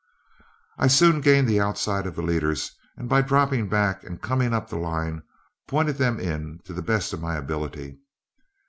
I soon gained the outside of the leaders, and by dropping back and coming up the line, pointed them in to the best of my ability.